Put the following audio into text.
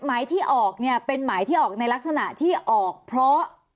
หมายที่ออกเนี่ยเป็นหมายที่ออกในลักษณะที่ออกเพราะ